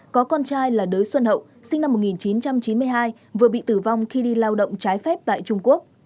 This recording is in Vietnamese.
có con trai là đới xuân hậu sinh năm một nghìn chín trăm chín mươi hai vừa bị tử vong khi đi lao động trái phép tại trung quốc